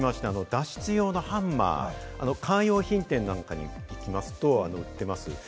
脱出用のハンマー、カー用品店なんかに行きますと売ってます。